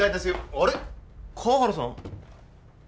あれ河原さん？